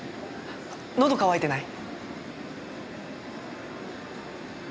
喉渇いてない？